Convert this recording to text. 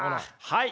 はい。